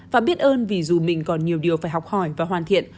và biết ơn vì dù mình còn nhiều điều phải học hỏi và hoàn thiện